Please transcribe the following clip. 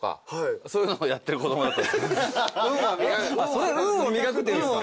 それ運を磨くっていうんですか？